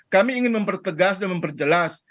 kami ingin mempertegas dan memperjelas